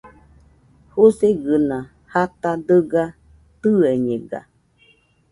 Jusigɨna jata dɨga tɨeñega